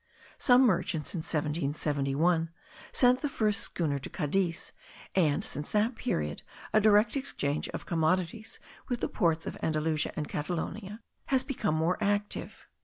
Some merchants, in 1771, sent the first schooner to Cadiz; and since that period a direct exchange of commodities with the ports of Andalusia and Catalonia has become extremely active.